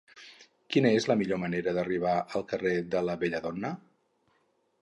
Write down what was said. Quina és la millor manera d'arribar al carrer de la Belladona?